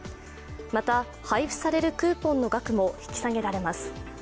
また配布されるクーポンの額も引き下げられます。